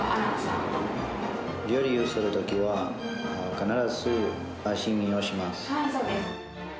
料理をするときは必ず味見をそうです。